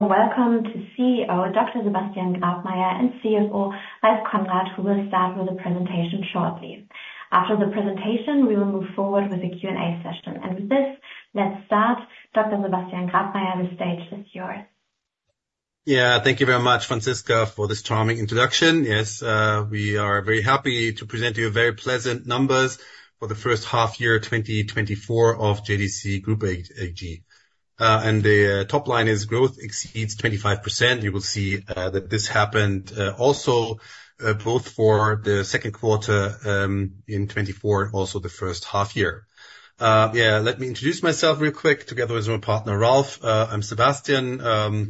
Welcome to CEO, Dr. Sebastian Grabmaier and CFO, Ralph Konrad, who will start with the presentation shortly. After the presentation, we will move forward with the Q&A session. With this, let's start. Dr. Sebastian Grabmaier, the stage is yours. Yeah. Thank you very much, Francisca, for this charming introduction. Yes, we are very happy to present you very pleasant numbers for the first half year, 2024 of JDC Group AG, AG. And the top line is growth exceeds 25%. You will see that this happened also both for the second quarter in 2024, also the first half year. Yeah, let me introduce myself real quick together with my partner, Ralph. I'm Sebastian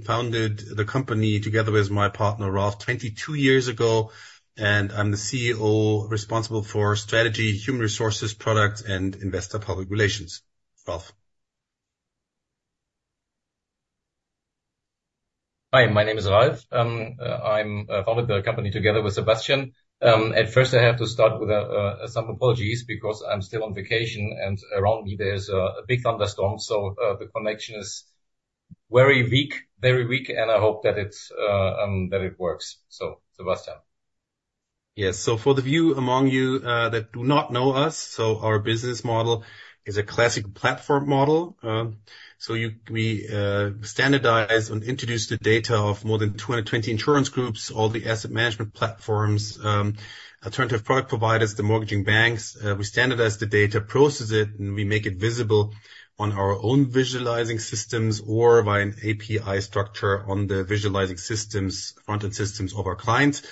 founded the company together with my partner, Ralph, 22 years ago, and I'm the CEO responsible for strategy, human resources, product, and investor public relations. Ralph? Hi, my name is Ralph. I'm founded the company together with Sebastian. At first I have to start with some apologies because I'm still on vacation, and around me there's a big thunderstorm, so the connection is very weak, very weak, and I hope that it's that it works. So, Sebastian. Yes. So for the few among you that do not know us, our business model is a classic platform model. We standardize and introduce the data of more than 220 insurance groups, all the asset management platforms, alternative product providers, the mortgage banks. We standardize the data, process it, and we make it visible on our own visualizing systems, or by an API structure on the visualizing systems, front-end systems of our clients.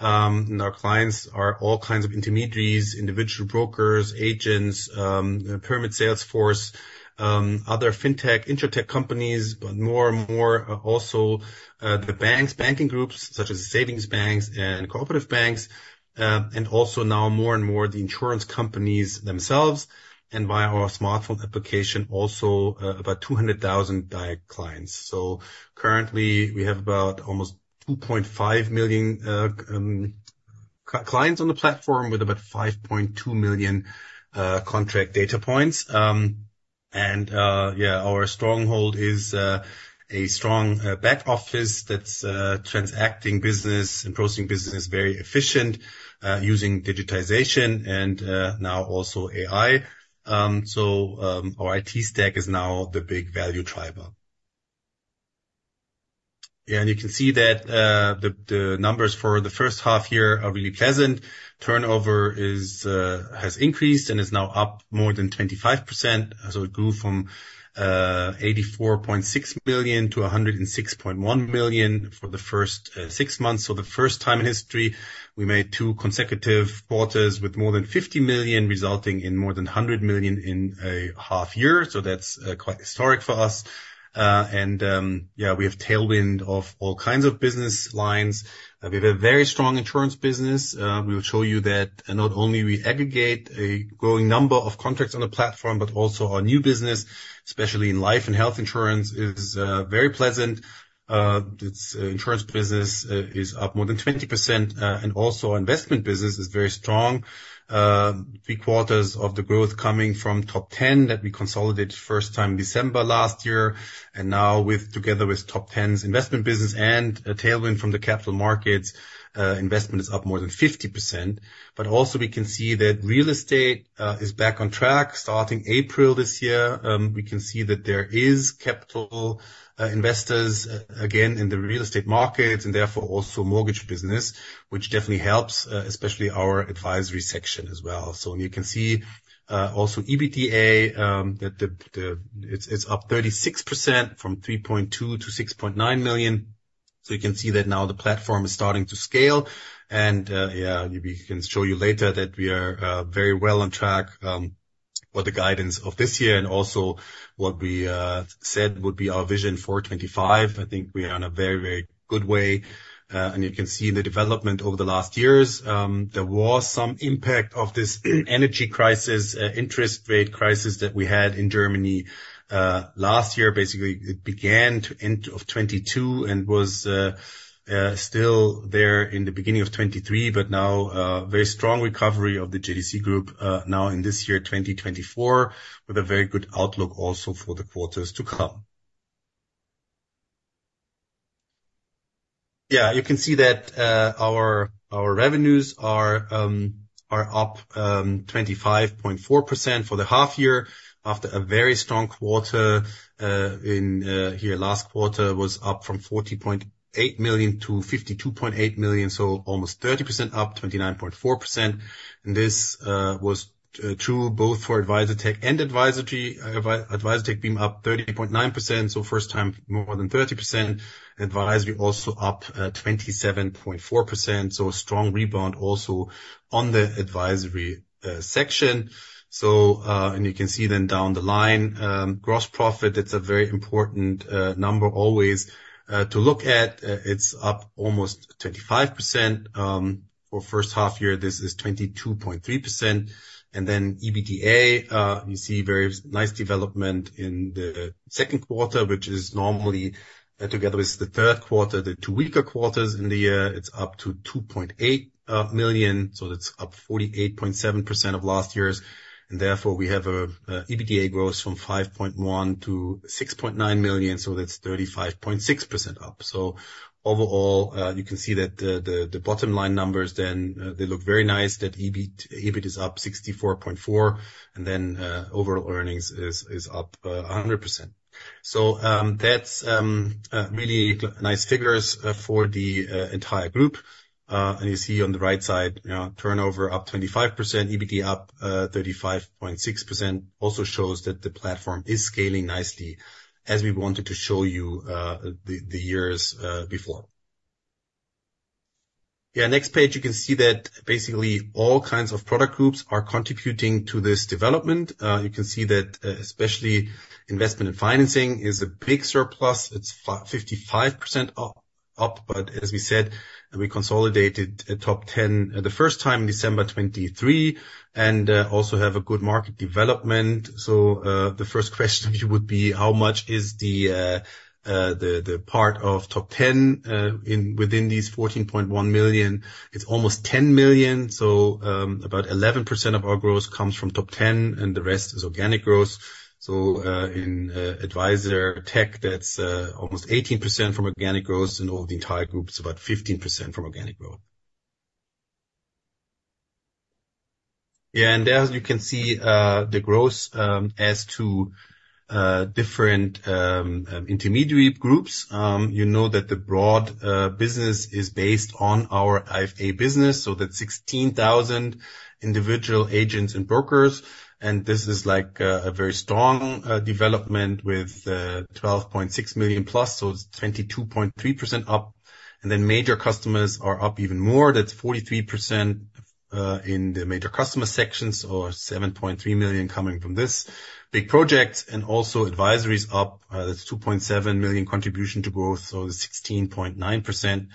Our clients are all kinds of intermediaries, individual brokers, agents, permit sales force, other fintech, insurtech companies, but more and more also the banks, banking groups, such as savings banks and cooperative banks, and also now more and more the insurance companies themselves, and via our smartphone application, also about 200,000 direct clients. So currently, we have about almost 2.5 million clients on the platform, with about 5.2 million contract data points. Yeah, our stronghold is a strong back office that's transacting business and processing business very efficient using digitization and now also AI. Our IT stack is now the big value driver. Yeah, and you can see that the numbers for the first half year are really pleasant. Turnover has increased and is now up more than 25%. So it grew from 84.6 million to 106.1 million for the first six months. For the first time in history, we made two consecutive quarters with more than 50 million, resulting in more than 100 million in a half year, so that's quite historic for us. And we have tailwind of all kinds of business lines. We have a very strong insurance business. We will show you that not only we aggregate a growing number of contracts on the platform, but also our new business, especially in life and health insurance, is very pleasant. Its insurance business is up more than 20%, and also investment business is very strong. Three quarters of the growth coming from Top Ten that we consolidated first time December last year, and now, together with Top Ten's investment business and a tailwind from the capital markets, investment is up more than 50%. But also we can see that real estate is back on track, starting April this year. We can see that there is capital investors again in the real estate market, and therefore also mortgage business, which definitely helps, especially our advisory section as well. So you can see also EBITDA, it's up 36% from 3.2 million to 6.9 million. So you can see that now the platform is starting to scale and, yeah, we can show you later that we are very well on track for the guidance of this year. And also what we said would be our vision for 2025. I think we are on a very, very good way. And you can see in the development over the last years, there was some impact of this energy crisis, interest rate crisis that we had in Germany last year. Basically, it began to end of 2022 and was still there in the beginning of 2023, but now very strong recovery of the JDC Group now in this year, 2024, with a very good outlook also for the quarters to come. Yeah, you can see that, our revenues are up 25.4% for the half year after a very strong quarter, in here last quarter was up from 40.8 million-52.8 million, so almost 30% up, 29.4%. And this was true both for Advisortech and Advisory. Advisortech being up 30.9%, so first time, more than 30%. Advisory also up, 27.4%, so strong rebound also on the advisory section. So, and you can see then down the line, gross profit, it's a very important number always to look at. It's up almost 25%. For first half year, this is 22.3%. And then EBITDA, you see very nice development in the second quarter, which is normally, together with the third quarter, the two weaker quarters in the year. It's up to 2.8 million, so that's up 48.7% of last year's. And therefore, we have a, EBITDA growth from 5.1 million to 6.9 million, so that's 35.6% up. So overall, you can see that the bottom line numbers then, they look very nice, that EBITDA is up 64.4%, and then, overall earnings is up 100%. So, that's really nice figures for the entire group. And you see on the right side, turnover up 25%, EBITDA up 35.6%, also shows that the platform is scaling nicely, as we wanted to show you, the years before. Yeah, next page, you can see that basically all kinds of product groups are contributing to this development. You can see that, especially investment and financing is a big surplus. It's 55% up, but as we said, we consolidated a Top Ten the first time in December 2023, and also have a good market development. So, the first question would be, how much is the the part of Top Ten within these 14.1 million? It's almost 10 million. So, about 11% of our growth comes from Top Ten, and the rest is organic growth. So, in Advisortech, that's almost 18% from organic growth, and over the entire group, it's about 15% from organic growth. Yeah, and as you can see, the growth as to different intermediary groups, you know that the broad business is based on our IFA business, so that's 16,000 individual agents and brokers, and this is like a very strong development with 12.6 million plus, so it's 22.3% up. And then major customers are up even more. That's 43% in the major customer sections, or 7.3 million coming from this big project. And also Advisory is up. That's 2.7 million contribution to growth, so 16.9%.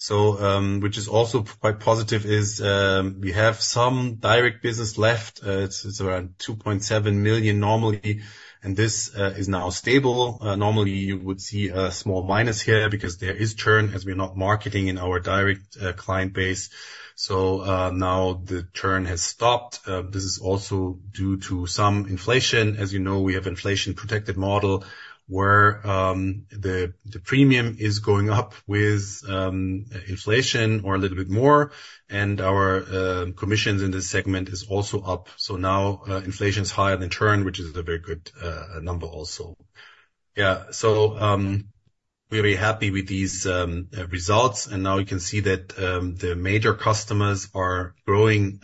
So, which is also quite positive is we have some direct business left. It's around 2.7 million normally, and this is now stable. Normally, you would see a small minus here because there is churn as we're not marketing in our direct client base. So, now the churn has stopped. This is also due to some inflation. As you know, we have inflation-protected model, where the premium is going up with inflation or a little bit more, and our commissions in this segment is also up. So now, inflation's higher than churn, which is a very good number also. Yeah, so, we're very happy with these results, and now you can see that the major customers are growing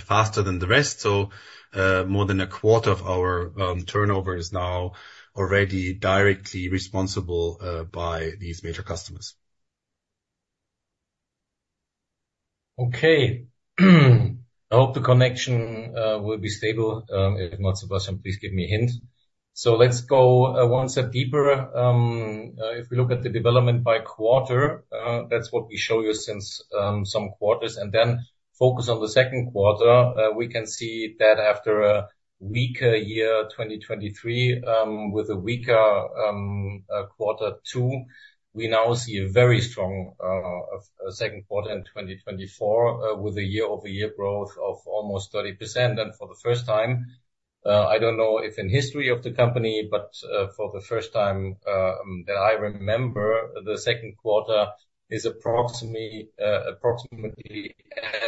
faster than the rest. So, more than a quarter of our turnover is now already directly responsible by these major customers. Okay. I hope the connection will be stable. If not, Sebastian, please give me a hint. So let's go one step deeper. If we look at the development by quarter, that's what we show you since some quarters, and then focus on the second quarter. We can see that after a weaker year, 2023, with a weaker quarter two, we now see a very strong second quarter in 2024, with a year-over-year growth of almost 30%. And for the first time, I don't know if in history of the company, but for the first time that I remember, the second quarter is approximately approximately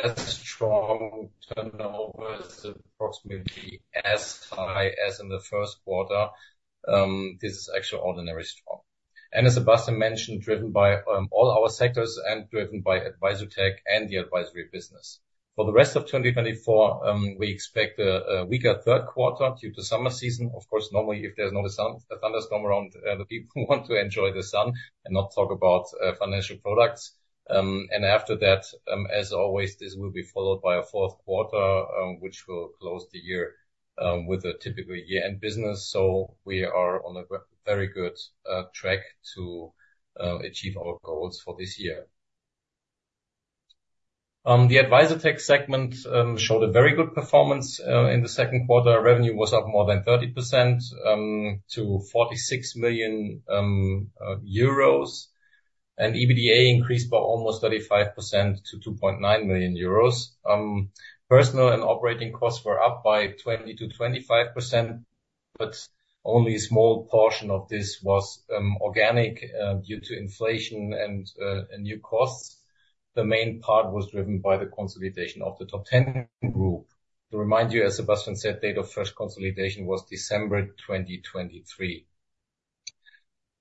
as strong turnover, approximately as high as in the first quarter. This is actually ordinarily strong. And as Sebastian mentioned, driven by all our sectors and driven by Advisortech and the advisory business. For the rest of 2024, we expect a weaker third quarter due to summer season. Of course, normally, if there's not a thunderstorm around, the people want to enjoy the sun and not talk about financial products. And after that, as always, this will be followed by a fourth quarter, which will close the year with a typical year-end business. So we are on a very good track to achieve our goals for this year. The Advisortech segment showed a very good performance in the second quarter. Revenue was up more than 30% to 46 million euros, and EBITDA increased by almost 35% to 2.9 million euros. Personnel and operating costs were up by 20%-25%, but only a small portion of this was organic due to inflation and new costs. The main part was driven by the consolidation of the Top Ten Group. To remind you, as Sebastian said, date of first consolidation was December 2023.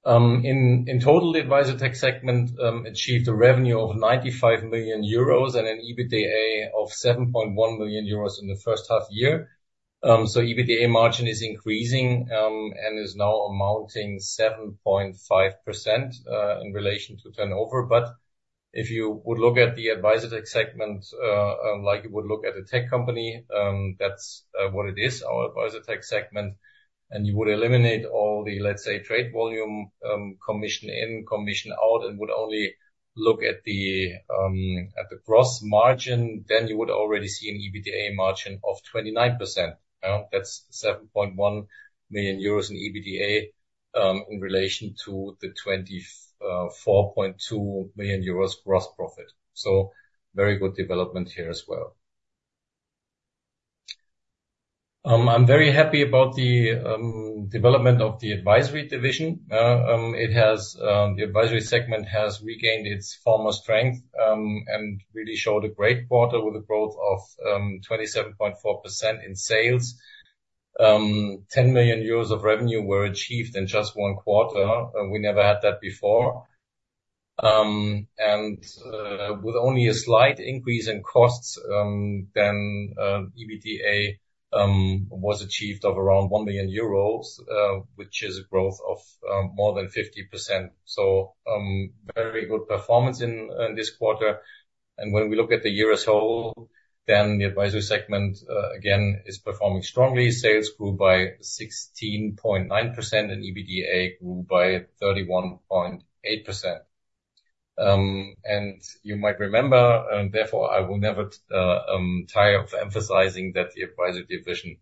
In total, the Advisortech segment achieved a revenue of 95 million euros and an EBITDA of 7.1 million euros in the first half year. So EBITDA margin is increasing and is now amounting 7.5% in relation to turnover. But if you would look at the Advisortech segment, like you would look at a tech company, that's what it is, our Advisortech segment, and you would eliminate all the, let's say, trade volume, commission in, commission out, and would only look at the gross margin, then you would already see an EBITDA margin of 29%. That's 7.1 million euros in EBITDA, in relation to the 24.2 million euros gross profit. So very good development here as well. I'm very happy about the development of the advisory division. The advisory segment has regained its former strength, and really showed a great quarter with a growth of 27.4% in sales. Ten million euros of revenue were achieved in just one quarter, and we never had that before. With only a slight increase in costs, EBITDA was achieved of around one billion euros, which is a growth of more than 50%. Very good performance in this quarter. When we look at the year as a whole, the advisory segment again is performing strongly. Sales grew by 16.9%, and EBITDA grew by 31.8%. You might remember, and therefore I will never tire of emphasizing that the advisory division,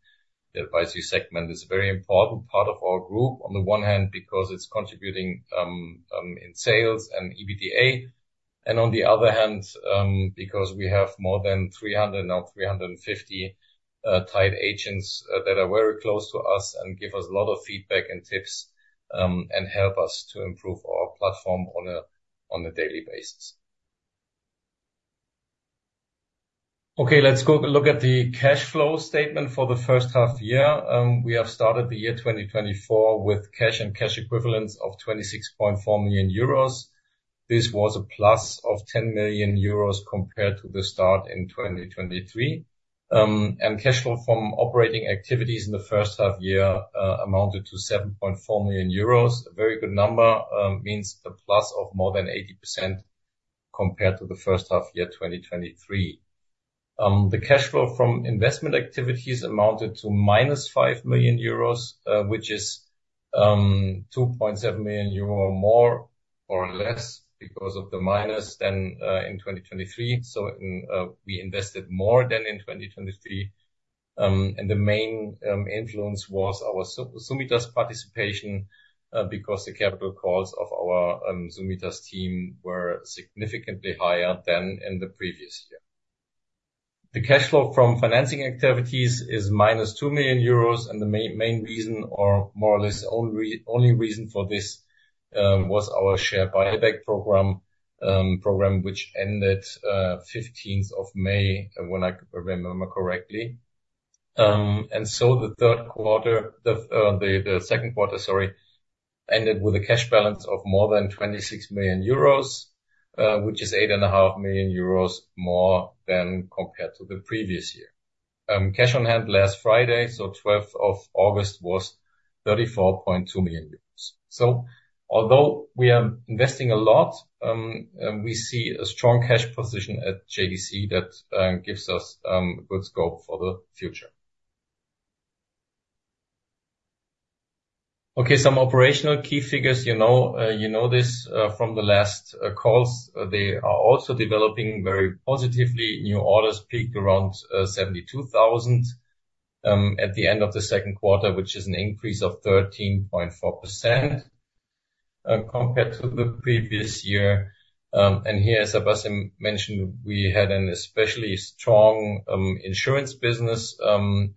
the advisory segment, is a very important part of our group. On the one hand, because it's contributing in sales and EBITDA, and on the other hand, because we have more than 300, now 350 tied agents that are very close to us and give us a lot of feedback and tips, and help us to improve our platform on a daily basis. Okay, let's go look at the cash flow statement for the first half year. We have started the year 2024 with cash and cash equivalents of 26.4 million euros. This was a plus of 10 million euros compared to the start in 2023. Cash flow from operating activities in the first half year amounted to 7.4 million euros. A very good number means a plus of more than 80% compared to the first half year, 2023. The cash flow from investment activities amounted to -5 million euros, which is 2.7 million euro more or less because of the minus than in 2023. So we invested more than in 2023. And the main influence was our Summitas participation because the capital costs of our Summitas team were significantly higher than in the previous year. The cash flow from financing activities is -2 million euros, and the main reason, or more or less, only reason for this was our share buyback program, which ended 15th of May, when I remember correctly. And so the third quarter, the, the second quarter, sorry, ended with a cash balance of more than 26 million euros, which is 8.5 million euros more than compared to the previous year. Cash on hand last Friday, so twelfth of August, was 34.2 million euros. So although we are investing a lot, we see a strong cash position at JDC that gives us a good scope for the future. Okay, some operational key figures. You know, you know this from the last calls. They are also developing very positively. New orders peaked around 72,000 at the end of the second quarter, which is an increase of 13.4% compared to the previous year. And here, Sebastian mentioned, we had an especially strong insurance business. And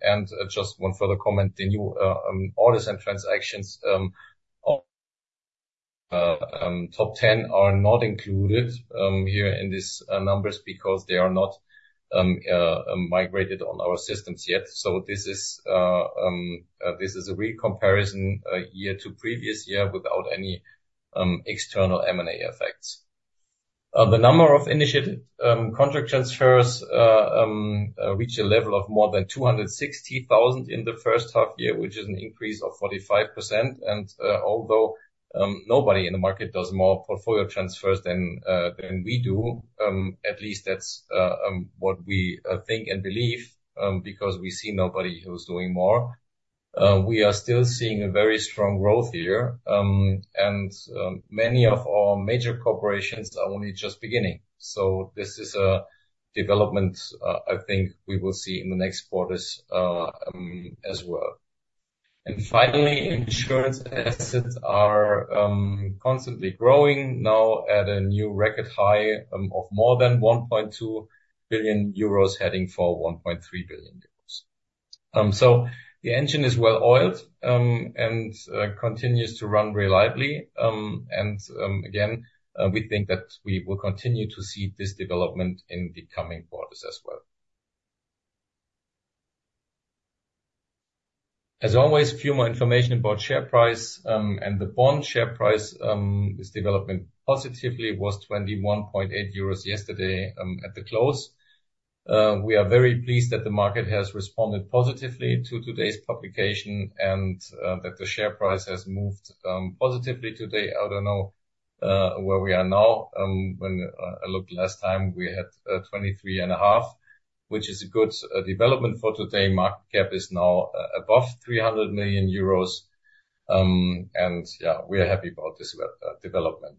just one further comment, the new orders and transactions Top Ten are not included here in these numbers because they are not migrated on our systems yet. So this is a real comparison year to previous year without any external M&A effects. The number of initiated contract transfers reached a level of more than 260,000 in the first half year, which is an increase of 45%. And although nobody in the market does more portfolio transfers than we do, at least that's what we think and believe, because we see nobody who's doing more. We are still seeing a very strong growth here, and many of our major corporations are only just beginning. So this is a development, I think we will see in the next quarters, as well. And finally, insurance assets are constantly growing, now at a new record high, of more than 1.2 billion euros, heading for 1.3 billion euros. So the engine is well oiled, and continues to run reliably. And again, we think that we will continue to see this development in the coming quarters as well. As always, a few more information about share price, and the bond share price, is developing positively, was 21.8 euros yesterday, at the close. We are very pleased that the market has responded positively to today's publication and that the share price has moved positively today. I don't know where we are now. When I looked last time, we had 23.5, which is a good development for today. Market cap is now above 300 million euros. Yeah, we are happy about this development.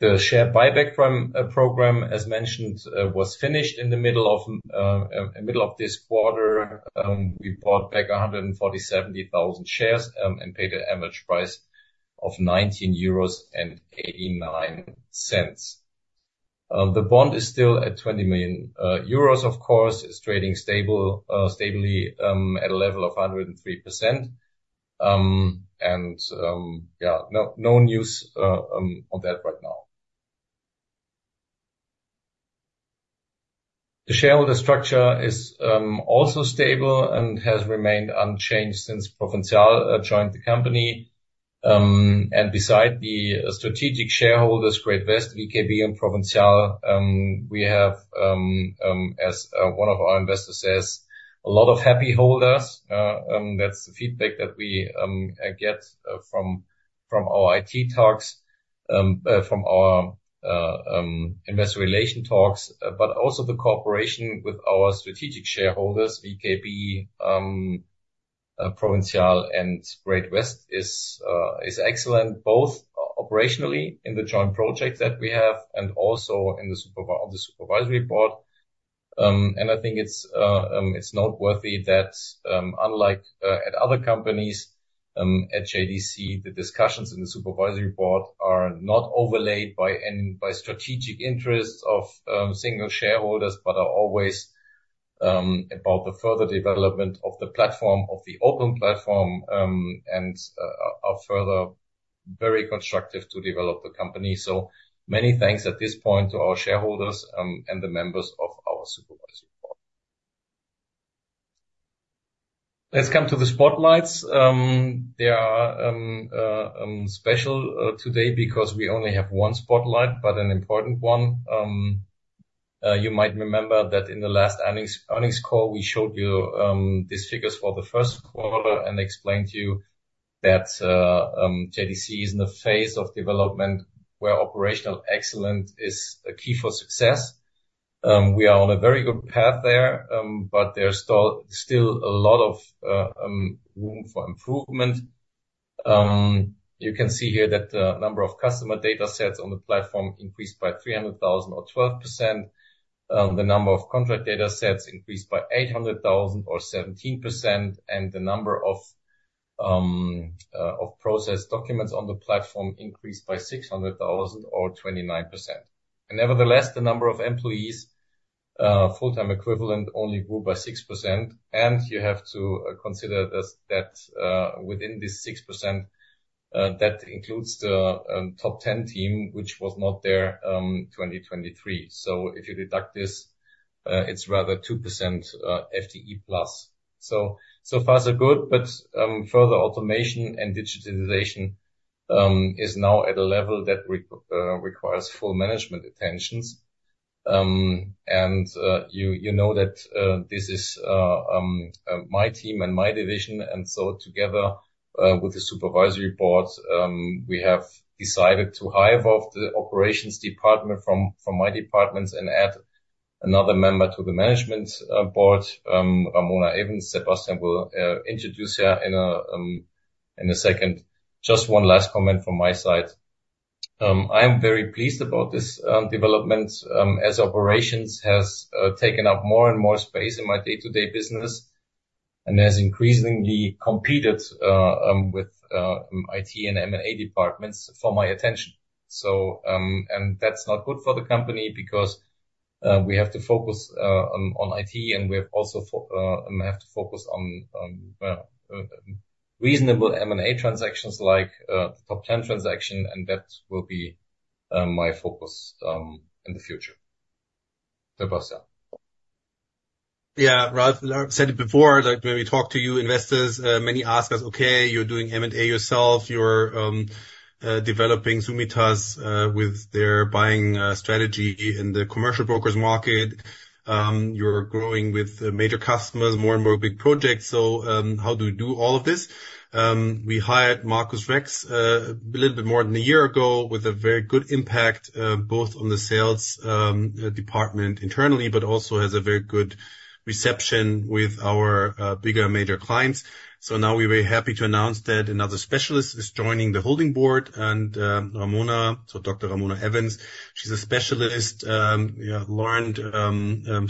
The share buyback program, as mentioned, was finished in the middle of this quarter. We bought back 147,000 shares and paid an average price of 19.89 euros. The bond is still at 20 million euros, of course, is trading stably at a level of 103%. Yeah, no news on that right now. The shareholder structure is also stable and has remained unchanged since Provinzial joined the company. Besides the strategic shareholders, Great West, VKB, and Provinzial, we have, as one of our investors says, a lot of happy holders. That's the feedback that we get from our IR talks, from our investor relations talks, but also the cooperation with our strategic shareholders, VKB, Provinzial and Great West, is excellent, both operationally in the joint project that we have and also in the supervisory board. I think it's noteworthy that, unlike at other companies, at JDC, the discussions in the supervisory board are not overlaid by any strategic interests of single shareholders, but are always about the further development of the platform, of the open platform, and are further very constructive to develop the company. Many thanks at this point to our shareholders and the members of our supervisory board. Let's come to the spotlights. They are special today, because we only have one spotlight, but an important one. You might remember that in the last earnings call, we showed you these figures for the first quarter and explained to you that JDC is in a phase of development where operational excellence is a key for success. We are on a very good path there, but there's still a lot of room for improvement. You can see here that the number of customer data sets on the platform increased by 300,000 or 12%. The number of contract data sets increased by 800,000 or 17%, and the number of processed documents on the platform increased by 600,000 or 29%. And nevertheless, the number of employees, full-time equivalent, only grew by 6%. And you have to consider this, that, within this 6%, that includes the Top Ten team, which was not there 2023. So if you deduct this, it's rather 2%, FTE plus. So, so far, so good, but further automation and digitalization is now at a level that requires full management attentions. And, you know that this is my team and my division, and so together with the supervisory board, we have decided to hire both the operations department from my departments and add another member to the management board, Ramona Evens. Sebastian will introduce her in a second. Just one last comment from my side. I am very pleased about this development, as operations has taken up more and more space in my day-to-day business and has increasingly competed with IT and M&A departments for my attention. So, that's not good for the company because we have to focus on IT, and we also have to focus on reasonable M&A transactions like Top Ten transaction, and that will be my focus in the future. Sebastian. Yeah, Ralph said it before, like, when we talk to you investors, many ask us, "Okay, you're doing M&A yourself. You're developing Summitas with their buying strategy in the commercial brokers market. You're growing with major customers, more and more big projects. So, how do you do all of this?" We hired Markus Rex a little bit more than a year ago, with a very good impact both on the sales department internally, but also has a very good reception with our bigger major clients. So now we're very happy to announce that another specialist is joining the holding board, and Ramona, so Dr. Ramona Evens, she's a specialist, yeah, learned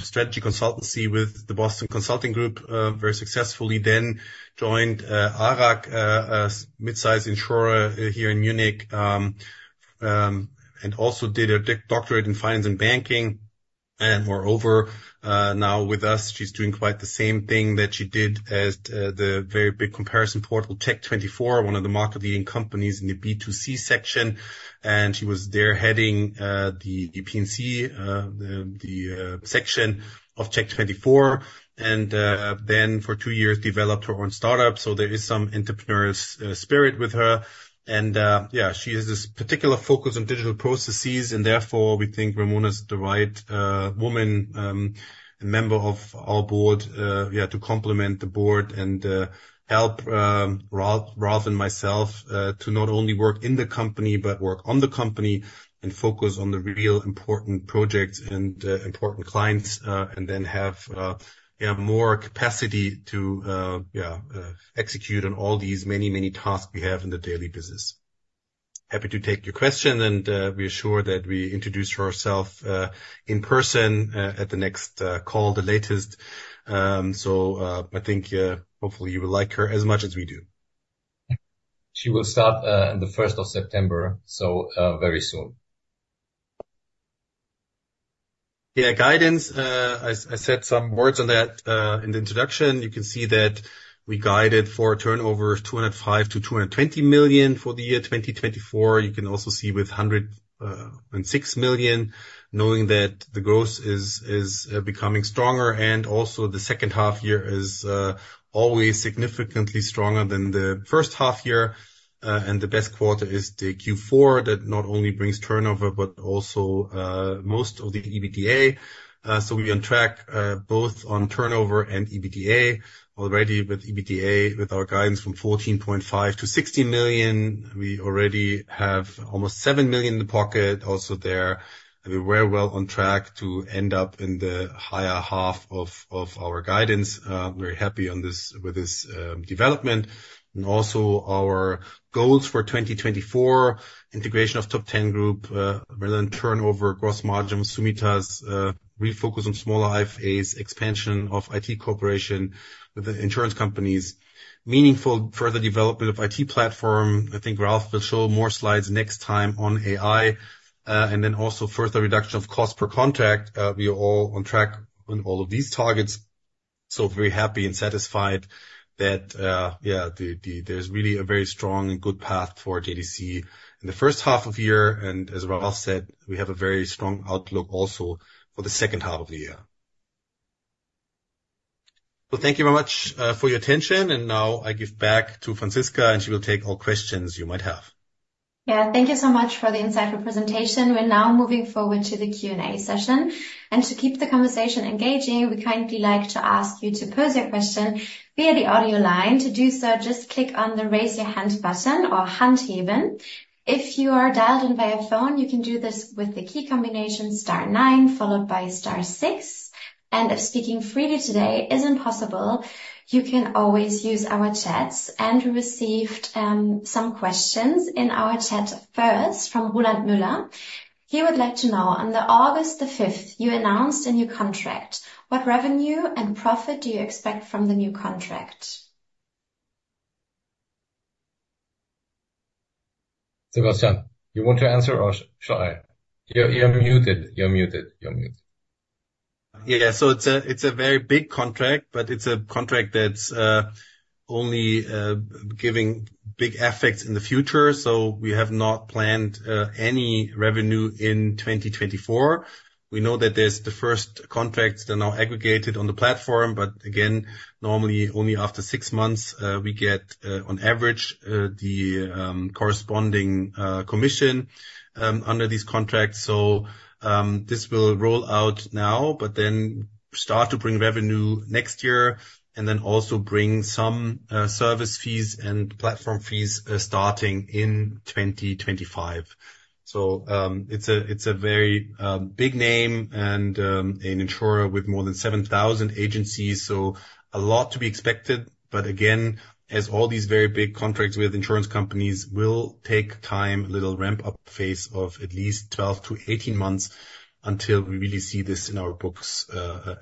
strategy consultancy with the Boston Consulting Group very successfully. Then joined ARAG, a mid-sized insurer here in Munich, and also did a doctorate in finance and banking. Moreover, now with us, she's doing quite the same thing that she did at the very big comparison portal, Tech24, one of the market-leading companies in the B2C section. And she was there heading the P&C section of Tech24, and then for two years developed her own startup. So there is some entrepreneur's spirit with her. Yeah, she has this particular focus on digital processes, and therefore, we think Ramona is the right woman and member of our board, yeah, to complement the board and help Ralph and myself to not only work in the company, but work on the company and focus on the real important projects and important clients, and then have yeah, more capacity to yeah, execute on all these many, many tasks we have in the daily business. Happy to take your question, and we are sure that we introduce her herself in person at the next call, the latest. So, I think hopefully you will like her as much as we do. She will start on the first of September, so very soon. ... Yeah, guidance, I said some words on that in the introduction. You can see that we guided for turnover of 205 million-220 million for the year 2024. You can also see with 106 million, knowing that the growth is becoming stronger, and also the second half year is always significantly stronger than the first half year. And the best quarter is the Q4, that not only brings turnover, but also most of the EBITDA. So we are on track both on turnover and EBITDA. Already with EBITDA, with our guidance from 14.5 million-16 million, we already have almost 7 million in the pocket also there, and we're well on track to end up in the higher half of our guidance. Very happy with this development. Also our goals for 2024, integration of Top Ten Group, Berlin turnover, gross margin, Summitas, refocus on small IFAs, expansion of IT cooperation with the insurance companies. Meaningful further development of IT platform. I think Ralph will show more slides next time on AI, and then also further reduction of cost per contract. We are all on track on all of these targets, so very happy and satisfied that, yeah, the there's really a very strong and good path for JDC. In the first half of the year, and as Ralph said, we have a very strong outlook also for the second half of the year. Thank you very much for your attention. Now I give back to Franziska, and she will take all questions you might have. Yeah, thank you so much for the insightful presentation. We're now moving forward to the Q&A session. And to keep the conversation engaging, we'd kindly like to ask you to pose your question via the audio line. To do so, just click on the Raise Your Hand button or Hand Heben. If you are dialed in via phone, you can do this with the key combination star nine, followed by star six. And if speaking freely today isn't possible, you can always use our chats. And we received some questions in our chat, first from Roland Mueller. He would like to know, on August the fifth, you announced a new contract. What revenue and profit do you expect from the new contract? Sebastian, you want to answer or shall I? You're muted. You're muted. You're muted. Yeah, so it's a very big contract, but it's a contract that's only giving big effects in the future, so we have not planned any revenue in 2024. We know that there's the first contracts that are now aggregated on the platform, but again, normally only after six months, we get, on average, the corresponding commission under these contracts. So, this will roll out now, but then start to bring revenue next year, and then also bring some service fees and platform fees starting in 2025. So, it's a very big name and an insurer with more than 7,000 agencies, so a lot to be expected. But again, as all these very big contracts with insurance companies will take time, a little ramp-up phase of at least 12-18 months until we really see this in our books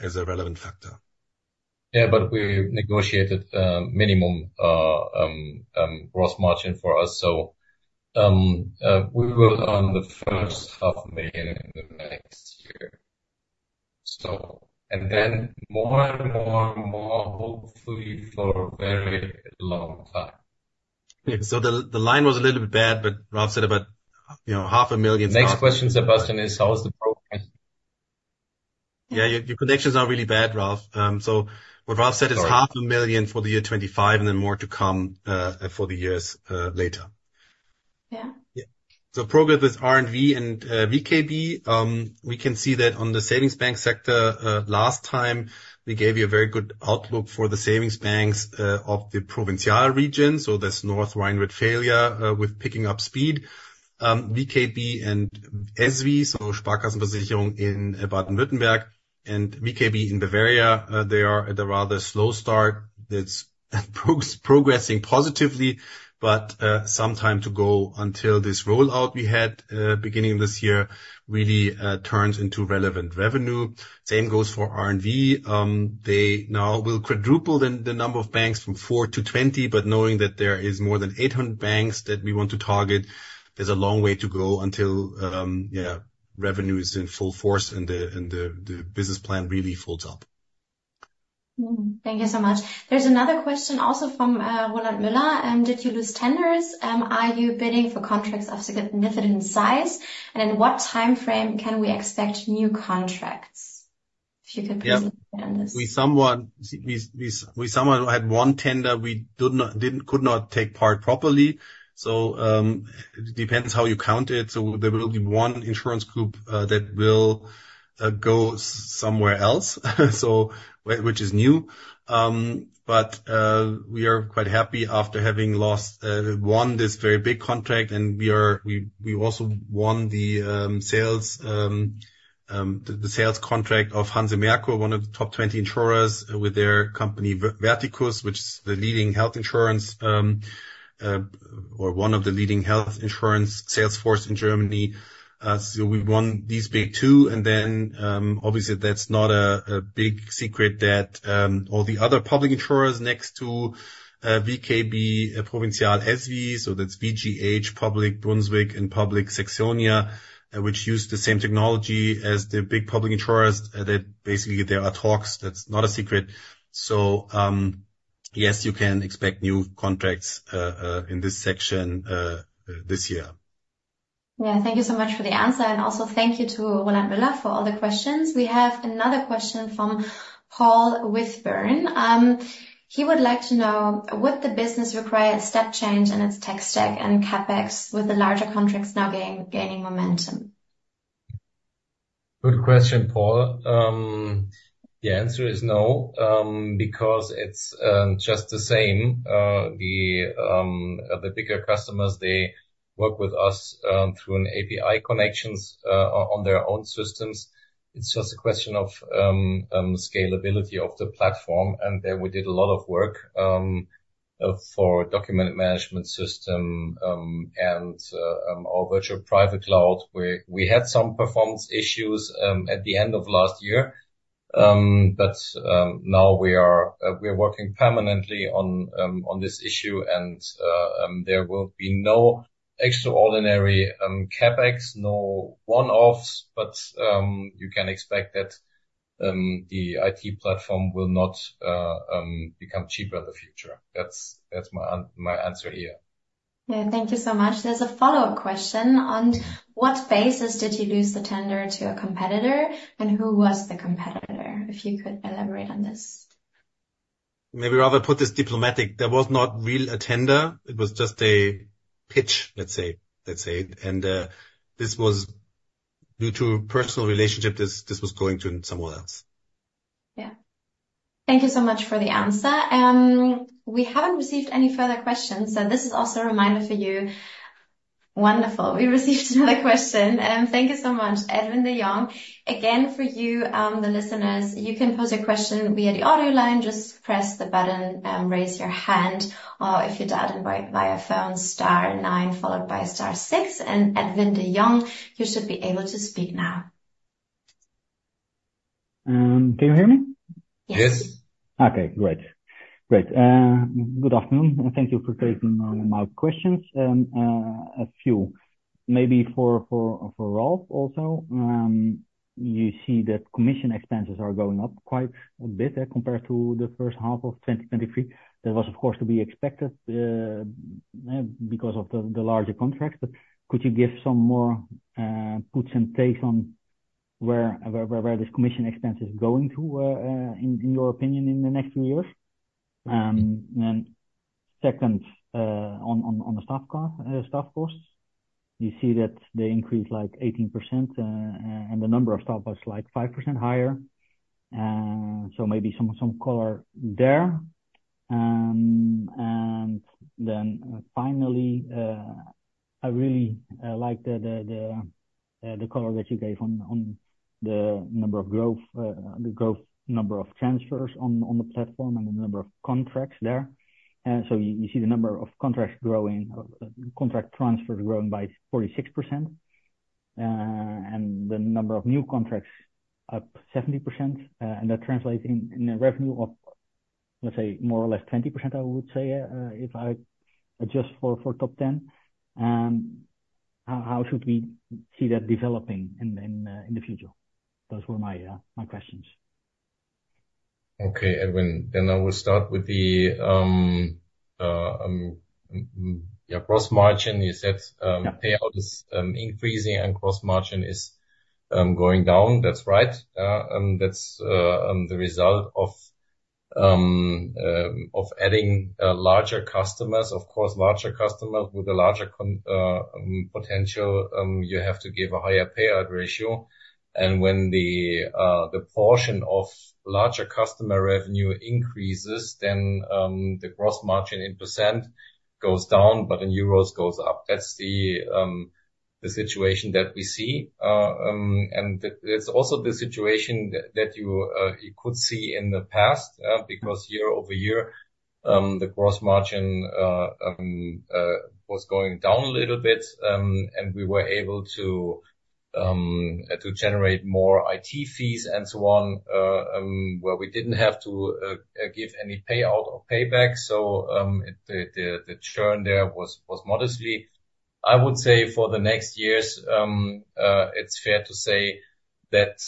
as a relevant factor. Yeah, but we negotiated minimum gross margin for us, so we work on the first 500,000 in the next year. And then more and more, more, hopefully for a very long time. Yeah. So the line was a little bit bad, but Ralph said about, you know, 500,000. Next question, Sebastian, is: How is the progress? Yeah, your connections are really bad, Ralph. So what Ralph said is sorry 500,000 for the year 2025, and then more to come for the years later. Yeah? Yeah. So progress with R+V and VKB. We can see that on the savings bank sector, last time, we gave you a very good outlook for the savings banks of the Provinzial region, so that's North Rhine-Westphalia with picking up speed. VKB and SV, so Sparkassen Versicherung in Baden-Württemberg, and VKB in Bavaria, they are at a rather slow start. That's progressing positively, but some time to go until this rollout we had beginning of this year really turns into relevant revenue. Same goes for R+V. They now will quadruple the number of banks from four to 20, but knowing that there is more than 800 banks that we want to target, there's a long way to go until revenue is in full force and the business plan really folds up. Mm. Thank you so much. There's another question also from Roland Mueller. Did you lose tenders? Are you bidding for contracts of significant size? And in what time frame can we expect new contracts? If you could please expand on this. Yeah. We somewhat had one tender. We could not take part properly, so, depends how you count it. So there will be one insurance group that will go somewhere else, so... Which is new. But we are quite happy after having lost, won this very big contract, and we also won the sales contract of Hanse Merkur, one of the top 20 insurers with their company, Verticus, which is the leading health insurance or one of the leading health insurance sales force in Germany. So we won these big two, and then, obviously, that's not a big secret that all the other public insurers next to VKB, Provinzial SV, so that's VGH, Public Brunswick, and Public Saxonia, which use the same technology as the big public insurers, that basically there are talks. That's not a secret. So,... Yes, you can expect new contracts in this section this year. Yeah. Thank you so much for the answer, and also thank you to Roland Miller for all the questions. We have another question from Paul Whitburn. He would like to know: Would the business require a step change in its tech stack and CapEx, with the larger contracts now gaining momentum? Good question, Paul. The answer is no, because it's just the same. The bigger customers, they work with us through an API connections on their own systems. It's just a question of scalability of the platform. And there we did a lot of work for document management system and our virtual private cloud, where we had some performance issues at the end of last year. But now we are working permanently on this issue, and there will be no extraordinary CapEx, no one-offs, but you can expect that the IT platform will not become cheaper in the future. That's my answer here. Yeah. Thank you so much. There's a follow-up question. On what basis did you lose the tender to a competitor, and who was the competitor? If you could elaborate on this. Maybe rather put this diplomatically, there was not really a tender. It was just a pitch, let's say, let's say. This was due to a personal relationship, this, this was going to someone else. Yeah. Thank you so much for the answer. We haven't received any further questions, so this is also a reminder for you. Wonderful! We received another question, thank you so much. Edwin de Jong. Again, for you, the listeners, you can pose your question via the audio line, just press the button and raise your hand, or if you dial in via phone star nine, followed by star six. And Edwin de Jong, you should be able to speak now. Can you hear me? Yes. Yes. Okay, great. Great. Good afternoon, and thank you for taking my questions. A few. Maybe for Ralph also. You see that commission expenses are going up quite a bit, compared to the first half of 2023. That was, of course, to be expected, because of the larger contracts, but could you give some more puts and takes on where this commission expense is going to, in your opinion, in the next few years? And second, on the staff costs, you see that they increased, like, 18%, and the number of staff was, like, 5% higher. So maybe some color there. And then finally, I really like the color that you gave on the number of growth, the growth number of transfers on the platform and the number of contracts there. So you see the number of contracts growing, contract transfers growing by 46%, and the number of new contracts up 70%, and that translates in a revenue of, let's say, more or less 20%, I would say, if I adjust for Top Ten. How should we see that developing in the future? Those were my questions. Okay, Edwin, then I will start with the, yeah, gross margin. You said, Yeah... payout is increasing and gross margin is going down. That's right. That's the result of adding larger customers. Of course, larger customers with a larger potential, you have to give a higher payout ratio, and when the portion of larger customer revenue increases, then the gross margin in % goes down, but in EUR goes up. That's the situation that we see. It's also the situation that you could see in the past, because year-over-year, the gross margin was going down a little bit, and we were able to generate more IT fees and so on, where we didn't have to give any payout or payback. So, the churn there was modestly... I would say for the next years, it's fair to say that,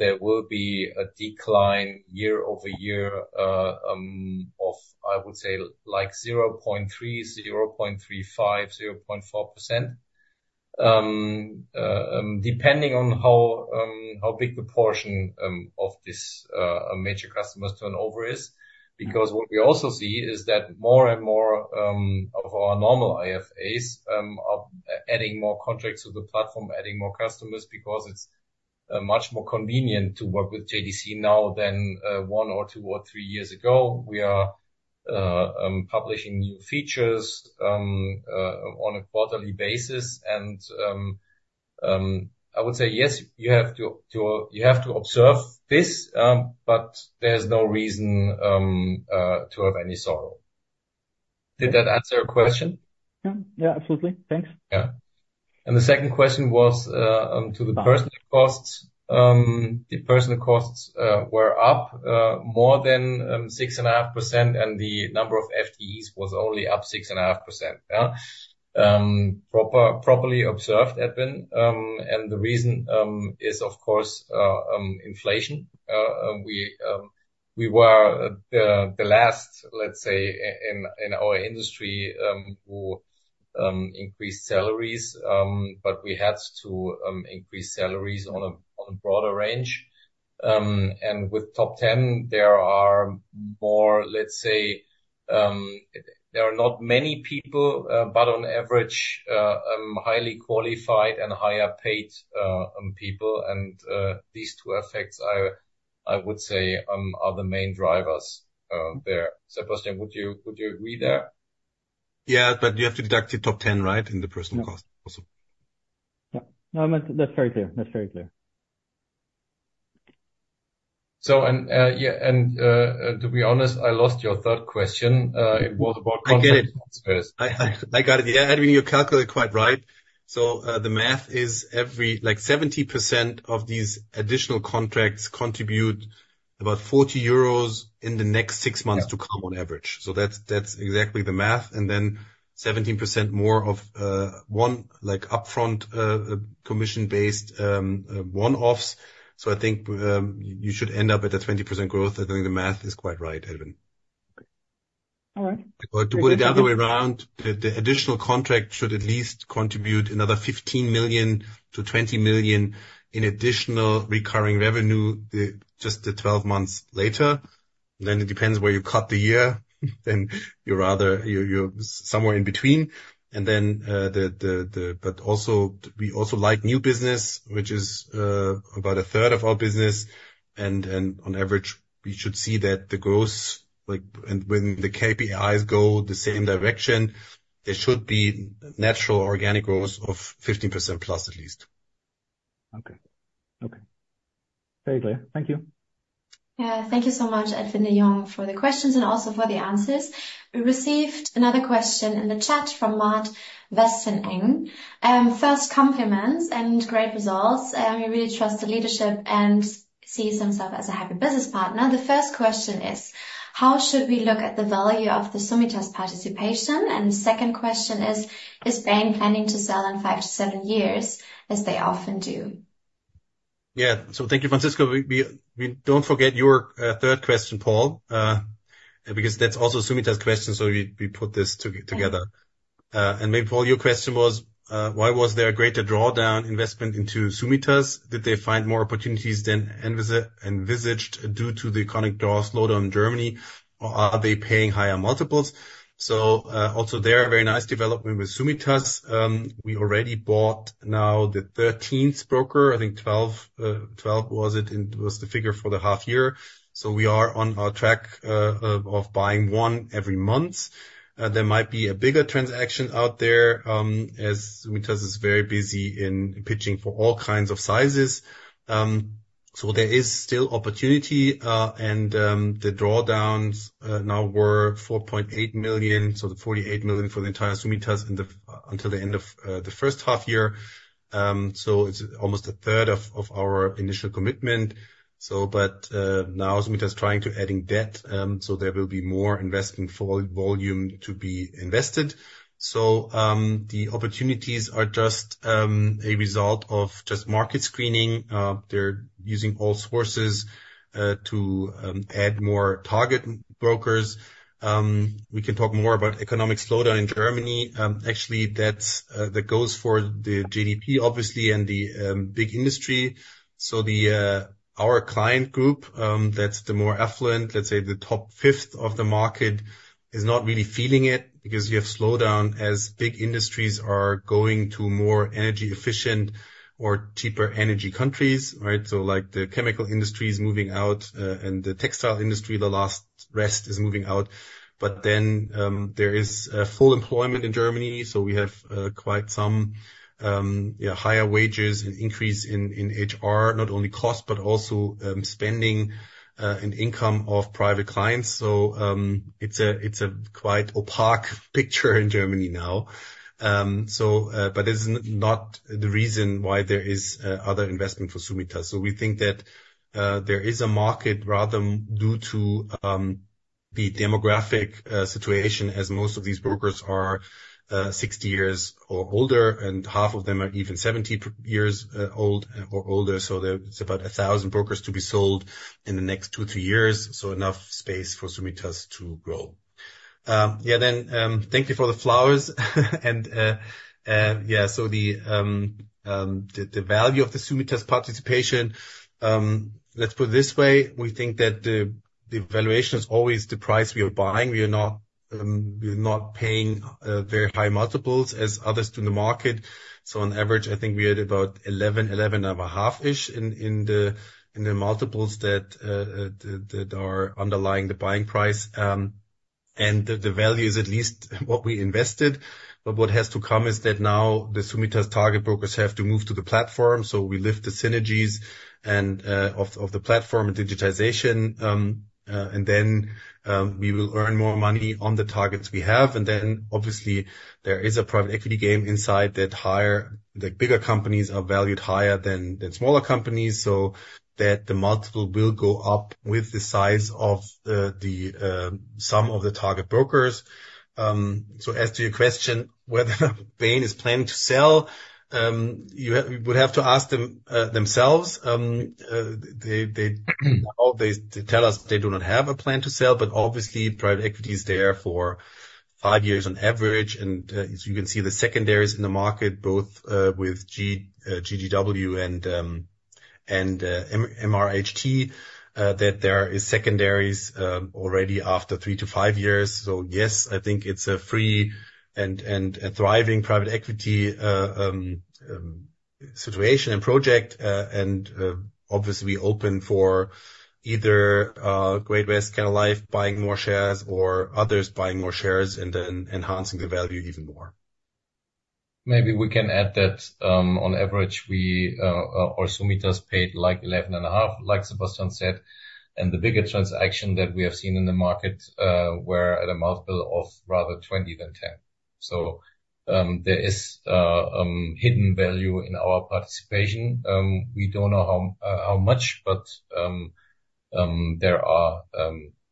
there will be a decline year-over-year, of, I would say, like 0.3, 0.35, 0.4%, depending on how big the portion of this major customers turnover is. Because what we also see is that more and more of our normal IFAs are adding more contracts to the platform, adding more customers because it's much more convenient to work with JDC now than one or two or three years ago. We are publishing new features on a quarterly basis, and I would say yes, you have to observe this, but there's no reason to have any sorrow. Did that answer your question? Yeah. Yeah, absolutely. Thanks. Yeah. And the second question was to the personal costs. The personal costs were up more than 6.5%, and the number of FTEs was only up 6.5%. Yeah, properly observed, Edwin, and the reason is, of course, inflation. We were the last, let's say, in our industry, who increased salaries, but we had to increase salaries on a broader range. And with top ten, there are more, let's say, there are not many people, but on average, highly qualified and higher paid people. And these two effects are, I would say, the main drivers there. Sebastian, would you agree there? Yeah, but you have to deduct the Top Ten, right, in the personal cost also. Yeah. No, that's very clear. That's very clear. So, yeah, to be honest, I lost your third question. It was about- I get it. I got it. Yeah, Edwin, you calculate quite right. So, the math is like 70% of these additional contracts contribute about 40 euros in the next six months to come on average. So that's exactly the math. And then 17% more of one, like, upfront, commission-based, one-offs. So I think, you should end up at a 20% growth. I think the math is quite right, Edwin. All right. But to put it the other way around, the additional contract should at least contribute another 15 million-20 million in additional recurring revenue, just 12 months later. Then it depends where you cut the year. Then you're rather somewhere in between. But also, we also like new business, which is about a third of our business. And on average, we should see that the growth, like, and when the KPIs go the same direction, there should be natural organic growth of 15%+, at least. Okay. Okay. Very clear. Thank you. Yeah, thank you so much, Edwin de Jong, for the questions and also for the answers. We received another question in the chat from Matt Westeneng. First, compliments and great results. He really trusts the leadership and sees himself as a happy business partner. The first question is: How should we look at the value of the Summitas participation? And the second question is: Is Bain planning to sell in 5-7 years, as they often do? Yeah. So thank you, Francisco. We don't forget your third question, Paul, because that's also Summitas's question, so we put this together. And maybe, Paul, your question was: Why was there a greater drawdown investment into Summitas? Did they find more opportunities than envisaged due to the economic drawdown in Germany, or are they paying higher multiples? So, also, there's a very nice development with Summitas. We already bought now the thirteenth broker. I think 12, 12 was it, it was the figure for the half year. So we are on our track of buying one every month. There might be a bigger transaction out there, as Summitas is very busy in pitching for all kinds of sizes. So there is still opportunity, and the drawdowns now were 4.8 million, so the 48 million for the entire Summitas until the end of the first half year. So it's almost a third of our initial commitment. So, but now Summitas is trying to adding debt, so there will be more investment volume to be invested. So the opportunities are just a result of just market screening. They're using all sources to add more target brokers. We can talk more about economic slowdown in Germany. Actually, that's that goes for the GDP, obviously, and the big industry. So the our client group, that's the more affluent, let's say the top fifth of the market, is not really feeling it because you have slowdown as big industries are going to more energy-efficient or cheaper energy countries, right? So, like, the chemical industry is moving out, and the textile industry, the last rest, is moving out. But then, there is a full employment in Germany, so we have quite some higher wages and increase in HR, not only cost, but also spending and income of private clients. So, it's a quite opaque picture in Germany now. But that's not the reason why there is other investment for Summitas. So we think that there is a market, rather due to the demographic situation, as most of these brokers are 60 years or older, and half of them are even 70 years old or older. So there's about 1,000 brokers to be sold in the next 2-3 years, so enough space for Summitas to grow. Thank you for the flowers. And yeah, so the value of the Summitas participation, let's put it this way: We think that the valuation is always the price we are buying. We are not paying very high multiples as others do in the market. So on average, I think we are at about 11x-11.5x-ish in the multiples that are underlying the buying price. And the value is at least what we invested. But what has to come is that now the Summitas target brokers have to move to the platform, so we lift the synergies and of the platform and digitization, and then we will earn more money on the targets we have. And then, obviously, there is a private equity game inside that higher, the bigger companies are valued higher than smaller companies, so that the multiple will go up with the size of some of the target brokers. So as to your question, whether Bain is planning to sell, you would have to ask them themselves. They tell us they do not have a plan to sell, but obviously, private equity is there for 5 years on average. As you can see, the secondaries in the market, both with GGW and MRHT, that there is secondaries already after 3-5 years. So yes, I think it's a free and thriving private equity situation and project. And obviously, open for either Great West Life buying more shares or others buying more shares, and then enhancing the value even more. Maybe we can add that, on average, we, our Summitas paid like 11.5, like Sebastian said, and the biggest transaction that we have seen in the market were at a multiple of rather 20x than 10x. So, there is hidden value in our participation. We don't know how, how much, but, there are,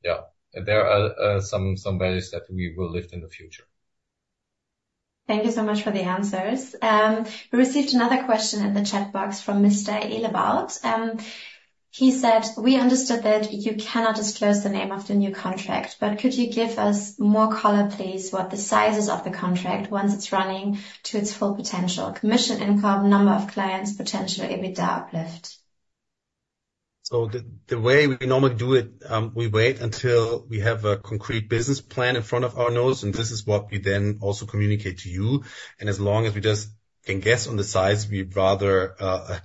yeah, there are, some, some values that we will lift in the future. Thank you so much for the answers. We received another question in the chat box from Mr. Hillebout. He said, "We understood that you cannot disclose the name of the new contract, but could you give us more color, please, what the size is of the contract once it's running to its full potential? Commission income, number of clients, potential, EBITDA uplift. So the way we normally do it, we wait until we have a concrete business plan in front of our nose, and this is what we then also communicate to you. And as long as we just can guess on the size, we'd rather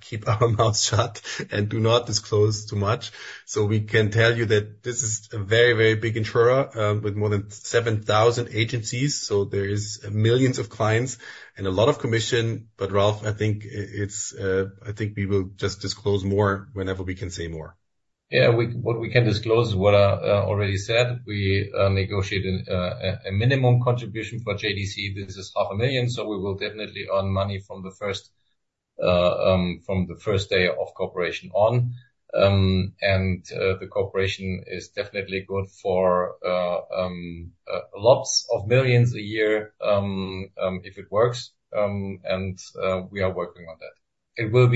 keep our mouth shut and do not disclose too much. So we can tell you that this is a very, very big insurer with more than 7,000 agencies. So there is millions of clients and a lot of commission. But Ralph, I think we will just disclose more whenever we can say more. Yeah, what we can disclose is what I already said. We negotiated a minimum contribution for JDC. This is 500,000, so we will definitely earn money from the first day of cooperation on. And the cooperation is definitely good for lots of millions EUR a year, if it works. And we are working on that. It will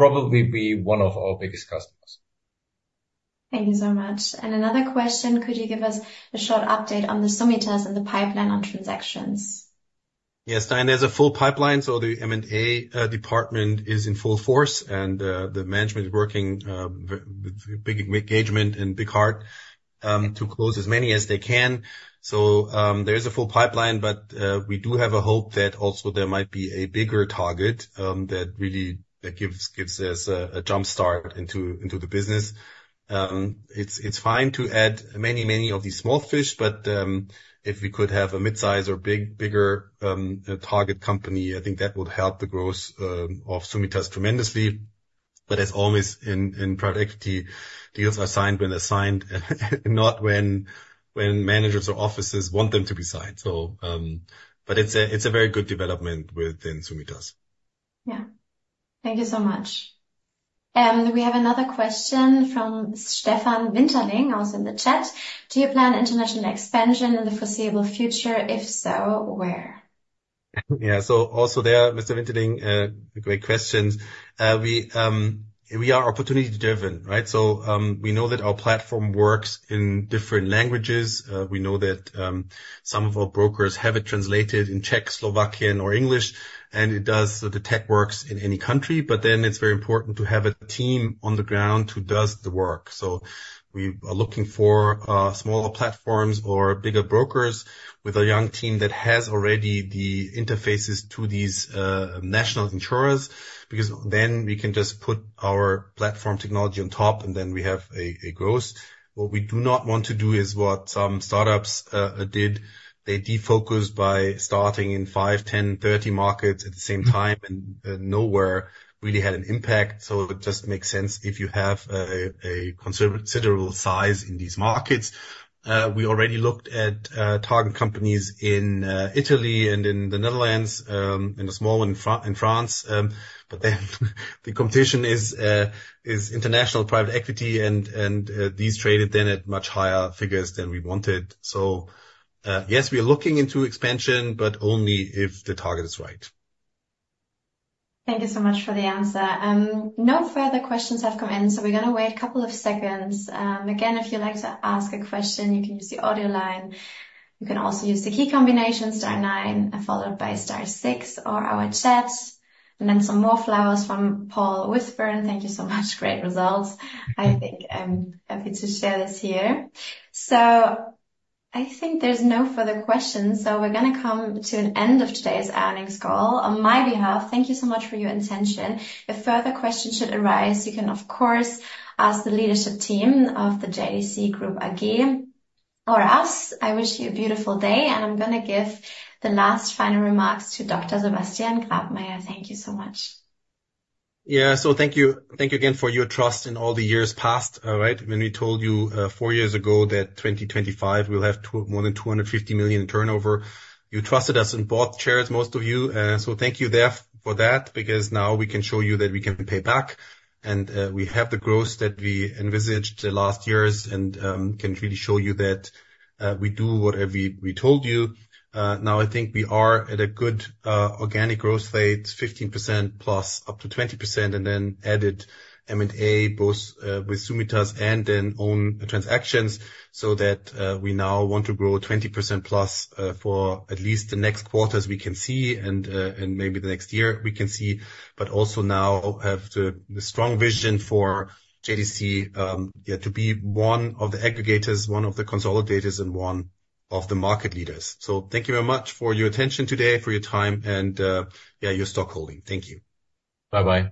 probably be one of our biggest customers. Thank you so much. Another question: Could you give us a short update on the Summitas and the pipeline on transactions? Yes, Diane. There's a full pipeline, so the M&A department is in full force, and the management is working with big engagement and big heart to close as many as they can. So, there is a full pipeline, but we do have a hope that also there might be a bigger target that really gives us a jump start into the business. It's fine to add many, many of these small fish, but if we could have a mid-size or bigger target company, I think that would help the growth of Summitas tremendously. But as always, in private equity, deals are signed when they're signed, not when managers or officers want them to be signed. So, but it's a very good development within Summitas. Yeah. Thank you so much. We have another question from Stefan Winterling, also in the chat: Do you plan international expansion in the foreseeable future? If so, where? Yeah, so also there, Mr. Winterling, great questions. We are opportunity driven, right? So, we know that our platform works in different languages. We know that, some of our brokers have it translated in Czech, Slovakian, or English, and it does, the tech works in any country, but then it's very important to have a team on the ground who does the work. So we are looking for smaller platforms or bigger brokers with a young team that has already the interfaces to these national insurers, because then we can just put our platform technology on top, and then we have a growth. What we do not want to do is what some startups did. They defocused by starting in 5, 10, 30 markets at the same time and nowhere really had an impact. So it just makes sense if you have a considerable size in these markets. We already looked at target companies in Italy and in the Netherlands, in a small one in France. But then the competition is international private equity and these traded then at much higher figures than we wanted. So yes, we are looking into expansion, but only if the target is right. Thank you so much for the answer. No further questions have come in, so we're gonna wait a couple of seconds. Again, if you'd like to ask a question, you can use the audio line. You can also use the key combination, star nine, followed by star six, or our chat. And then some more flowers from Paul Whitburn. Thank you so much. Great results. I think I'm happy to share this here. So I think there's no further questions, so we're gonna come to an end of today's earnings call. On my behalf, thank you so much for your attention. If further questions should arise, you can, of course, ask the leadership team of the JDC Group AG or us. I wish you a beautiful day, and I'm gonna give the last final remarks to Dr. Sebastian Grabmaier. Thank you so much. Yeah, so thank you, thank you again for your trust in all the years past, right? When we told you four years ago that 2025, we'll have more than 250 million in turnover, you trusted us and bought shares, most of you. So thank you there for that, because now we can show you that we can pay back, and we have the growth that we envisaged the last years and can really show you that we do what we told you. Now I think we are at a good, organic growth rate, 15% plus, up to 20%, and then added M&A, both, with Summitas and then own transactions, so that, we now want to grow 20% plus, for at least the next quarters we can see and, and maybe the next year we can see. But also now have the, the strong vision for JDC, yeah, to be one of the aggregators, one of the consolidators, and one of the market leaders. So thank you very much for your attention today, for your time, and, yeah, your stockholding. Thank you. Bye-bye.